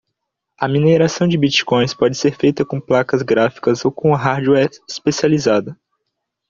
A mineração de Bitcoin pode ser feita com placas gráficas ou com hardware especializado.